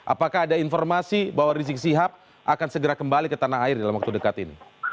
apakah ada informasi bahwa rizik sihab akan segera kembali ke tanah air dalam waktu dekat ini